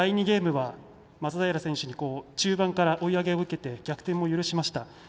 ゲームは松平選手に中盤から追い上げを受けて逆転も許しました。